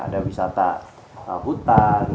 ada wisata hutan